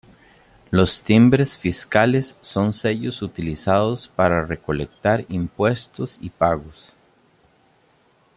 Los timbres fiscales son sellos utilizados para recolectar impuestos y pagos.